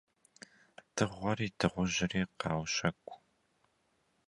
Дыгъуэри дыгъужьри къаущэкӀу.